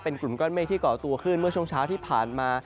เป็นกลุ่มก้อนเมฆที่เกาะตัวขึ้นเมื่อช่วงเช้าที่ผ่านมา